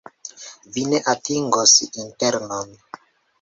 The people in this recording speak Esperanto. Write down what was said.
Vi ne atingos internon.